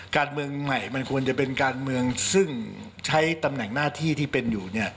การเมืองใหม่มันควรจะเป็นการเมืองซึ่งใช้ตำแหน่งหน้าที่ที่เป็นอยู่